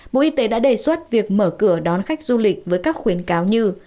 bộ y tế đã đề xuất việc mở cửa đón khách du lịch với các khuyến cáo như